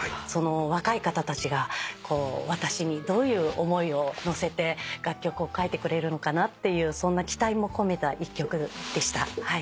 若い方たちが私にどういう思いを乗せて楽曲を書いてくれるのかなっていうそんな期待も込めた１曲でした。